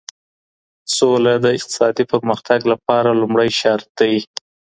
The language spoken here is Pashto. سوله د اقتصادي پرمختګ لپاره لومړی شرط دی.